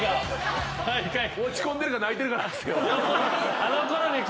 落ち込んでるか泣いてるかなんすよ。